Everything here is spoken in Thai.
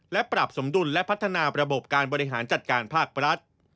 และปรับสมดุลและพัฒนาระบบการบริหารจัดการภาครัฐ